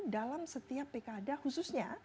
dalam setiap pkd khususnya